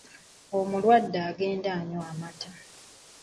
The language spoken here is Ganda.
Omulwadde agende anywe amata.